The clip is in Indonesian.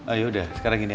ayodah sekarang gini aja